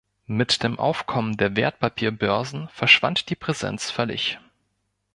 Mit dem Aufkommen der Wertpapierbörsen verschwand die Präsenz völlig.